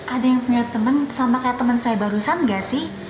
ada yang punya teman sama kayak teman saya barusan gak sih